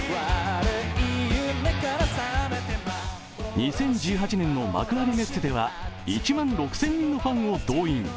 ２０１８年の幕張メッセでは１万６０００人のファンを動員。